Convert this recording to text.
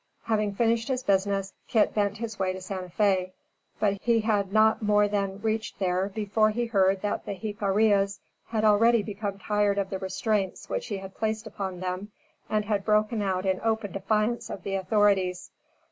Having finished his business, Kit bent his way to Santa Fé; but, he had not more than reached there before he heard that the Jiccarillas had already become tired of the restraints which he had placed upon them, and had broken out in open defiance of the authorities.